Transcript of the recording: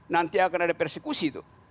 nanti akan ada persekusi tuh